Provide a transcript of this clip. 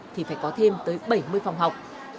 thì phải có thêm tới bảy mươi phòng học